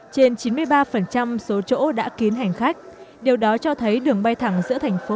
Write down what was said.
trên chín mươi ba số chỗ đã kín hành khách điều đó cho thấy đường bay thẳng giữa thành phố